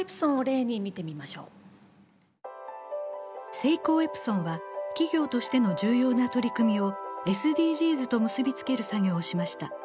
セイコーエプソンは企業としての重要な取り組みをＳＤＧｓと結び付ける作業をしました。